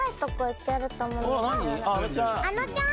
あのちゃん。